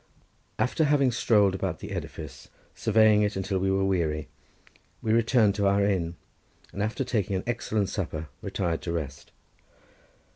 After having strolled about the edifice surveying it until we were weary, we returned to our inn, and after taking an excellent supper retired to rest.